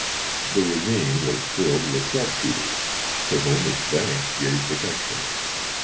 The ravine was filled with sharpshooters, to whom its banks gave protection.